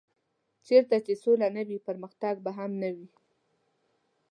چېرته چې سوله نه وي پرمختګ به هم نه وي.